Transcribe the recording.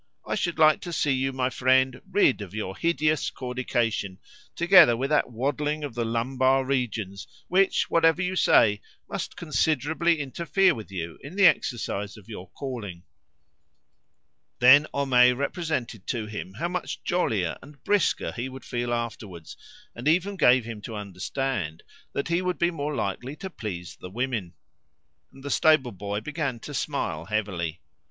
I should like to see you, my friend, rid of your hideous caudication, together with that waddling of the lumbar regions which, whatever you say, must considerably interfere with you in the exercise of your calling." Then Homais represented to him how much jollier and brisker he would feel afterwards, and even gave him to understand that he would be more likely to please the women; and the stable boy began to smile heavily.